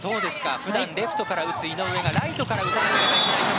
普段レフトから打つ井上がライトから打たないといけない。